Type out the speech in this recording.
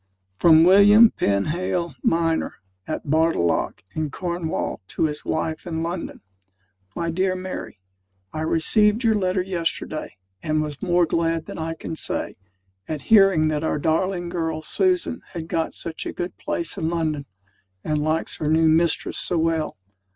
FROM WILLIAM PENHALE, MINER, AT BARTALLOCK, IN CORNWALL, TO HIS WIFE IN LONDON. MY DEAR MARY, I received your letter yesterday, and was more glad than I can say, at hearing that our darling girl Susan has got such a good place in London, and likes her new mistress so well.